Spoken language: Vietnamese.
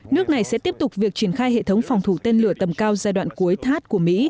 nước này sẽ tiếp tục việc triển khai hệ thống phòng thủ tên lửa tầm cao giai đoạn cuối thắt của mỹ